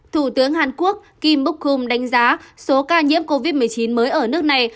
thủ tướng hàn quốc kim bok hom đánh giá số ca nhiễm covid một mươi chín mới ở nước này